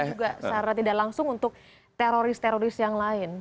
tapi juga secara tidak langsung untuk teroris teroris yang lain